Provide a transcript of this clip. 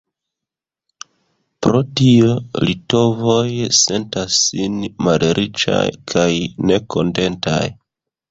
Pro tio litovoj sentas sin malriĉaj kaj nekontentaj.